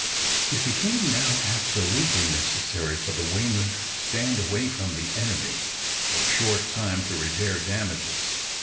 It became now absolutely necessary for the "Weymouth" to stand away from the enemy for a short time to repair damages.